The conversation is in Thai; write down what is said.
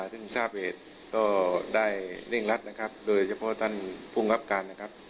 ซึ่งทราบเหตุก็ได้เร่งรัดนะครับโดยเฉพาะท่านภูมิครับการนะครับ